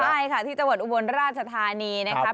ใช่ค่ะที่จังหวัดอุบลราชธานีนะครับ